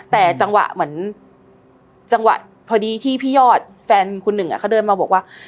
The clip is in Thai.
แต่จังหวะเหมือนจังหวะพอดีที่พี่ยอดแฟนคุณหนึ่งเขาเดินมาบอกว่า